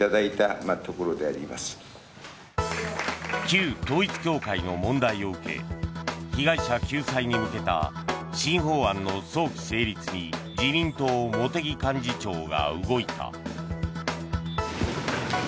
旧統一教会の問題を受け被害者救済に向けた新法案の早期成立に自民党、茂木幹事長が動いた。